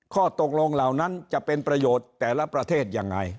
ข้อตกลงเหล่านั้นจะเป็นประโยชน์แต่ละประเทศยังไง